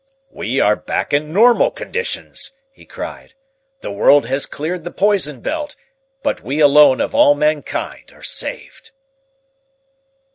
"We are back in normal conditions," he cried. "The world has cleared the poison belt, but we alone of all mankind are saved."